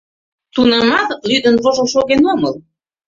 Тунамат лӱдын-вожыл шоген омыл.